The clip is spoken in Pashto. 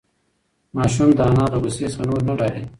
ماشوم د انا له غوسې څخه نور نه ډارېده.